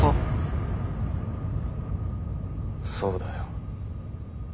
そうだよ。